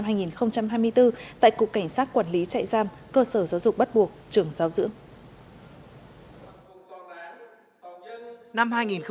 tại cục cảnh sát quản lý chạy giam cơ sở giáo dục bắt buộc trường giáo dưỡng